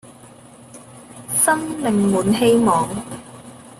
生命滿希望